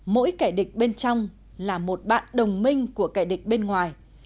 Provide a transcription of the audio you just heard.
mỗi kẻ địch bên trong là một bạn đồng minh của kẻ địch bên ngoài